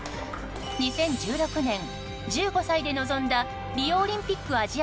２０１６年、１５歳で臨んだリオオリンピックアジア